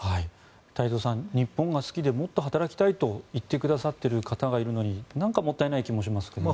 太蔵さん日本が好きでもっと働きたいと言ってくださっている方がいるのになんかもったいない気もしますね。